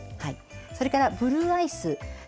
それから、ブルーアイス。